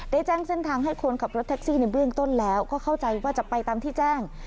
ได้แจ้งเส้นทางให้คนขับรถแท็กซี่ในเบื้องต้นแล้วก็เข้าใจว่าจะไปตามที่แจ้ง